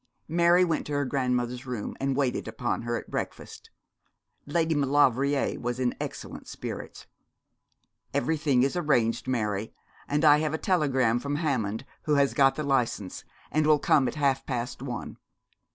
Mary went to her grandmother's room, and waited upon her at breakfast. Lady Maulevrier was in excellent spirits. 'Everything is arranged, Mary. I have had a telegram from Hammond, who has got the licence, and will come at half past one.